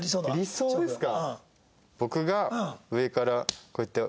理想ですか？